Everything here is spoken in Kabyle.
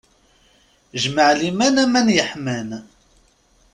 Jmaɛliman, aman yeḥman!